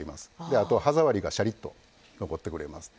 あと歯触りがシャリッと残ってくれますね。